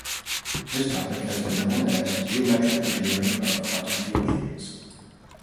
This topic has been known as "geometric engineering of quantum field theories".